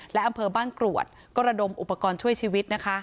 และอำเภอบ้านกรวดก็ระดมอุปกรณ์ช่วยชีวิตนะคะ